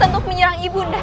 untuk menyerang ibu